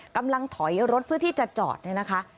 กำลังถอยรถเพื่อที่จะจอดเนี่ยนะคะ